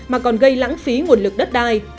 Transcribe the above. mà còn gây lãng phí nguồn lực đất đai